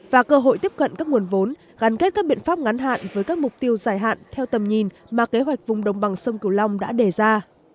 và cơ hội tiếp cận các nguồn vốn gắn kết các biện pháp ngắn hạn với các mục tiêu dài hạn theo tầm nhìn mà kế hoạch vùng đồng bằng sông cửu long đã đề ra